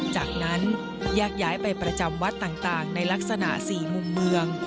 จากนั้นแยกย้ายไปประจำวัดต่างในลักษณะ๔มุมเมือง